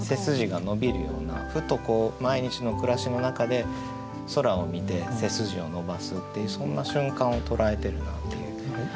ふと毎日の暮らしの中で空を見て背筋を伸ばすっていうそんな瞬間を捉えてるなっていう。